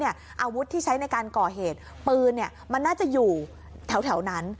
อาวุธที่ใช้ในการก่อเหตุปืนมันน่าจะอยู่แถวนั้น